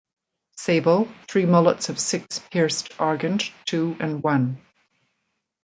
Sable, three mullets of six pierced Argent two and one.